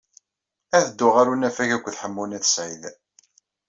Ad dduɣ ɣer unafag akked Ḥemmu n At Sɛid.